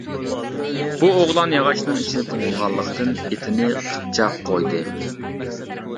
بۇ ئوغلان ياغاچنىڭ ئىچىدە تۇغۇلغانلىقتىن، ئېتىنى قىپچاق قويدى.